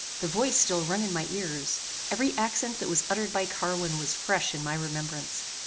The voice still rung in my ears. Every accent that was uttered by Carwin was fresh in my remembrance.